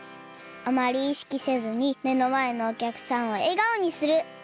あまりいしきせずにめのまえのおきゃくさんをえがおにする！